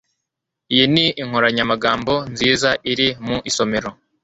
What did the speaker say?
iyi ni inkoranyamagambo nziza iri mu isomero